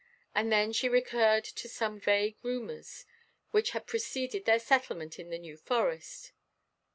And then she recurred to some vague rumours which had preceded their settlement in the New Forest.